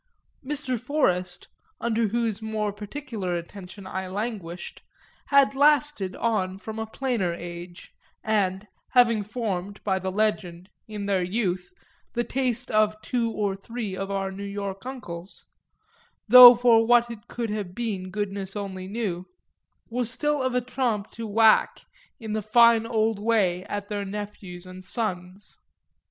Mr. Forest, under whose more particular attention I languished, had lasted on from a plainer age and, having formed, by the legend, in their youth, the taste of two or three of our New York uncles though for what it could have been goodness only knew was still of a trempe to whack in the fine old way at their nephews and sons.